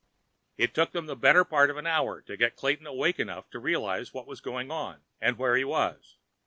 It took them the better part of an hour to get Clayton awake enough to realize what was going on and where he was.